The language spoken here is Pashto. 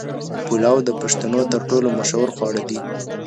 پلو د پښتنو تر ټولو مشهور خواړه دي.